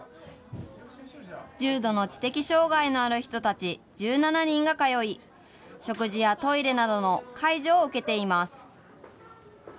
重度の知的障害のある人たち１７人が通い、食事やトイレなどの介助を受けています。